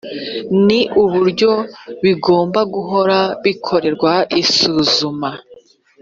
ni uburyo bigomba guhora bikorerwa isuzuma